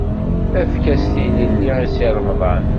Efk-as tilelli i Si Remḍan!